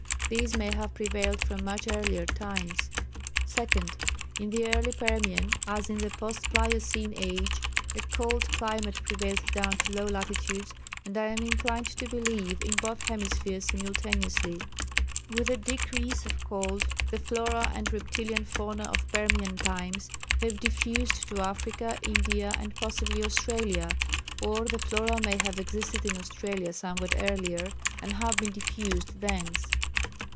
These may have prevailed from much earlier times. "2nd. In the early Permian, as in the Postpliocene age, a cold climate prevailed down to low latitudes, and I am inclined to believe in both hemispheres simultaneously. With the decrease of cold the flora and reptilian fauna of Permian times were diffused to Africa, India, and possibly Australia; or the flora may have existed in Australia somewhat earlier, and have been diffused thence.